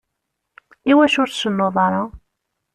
Iwacu ur tcennuḍ ara?